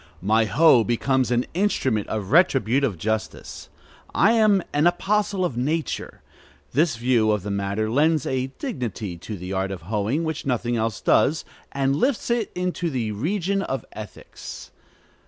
My hoe becomes an instrument of retributive justice. I am an apostle of nature. This view of the matter lends a dignity to the art of hoeing which nothing else does, and lifts it into the region of ethics.